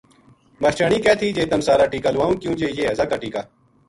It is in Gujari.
ماشٹریانی کہہ تھی جے تم سارا ٹیکہ لوواؤں کیو ں جے یہ ہیضہ کا ٹیکہ